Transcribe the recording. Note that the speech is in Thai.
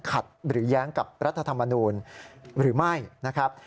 หรือแย้งกับรัฐธรรมนูลหรือไม่นะครับ